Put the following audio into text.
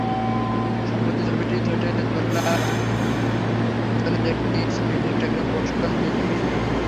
সম্প্রতি ছবিটির সেটে তোলা জনের একটি ছবি ইনস্টাগ্রামে পোস্ট করেন অভিষেক।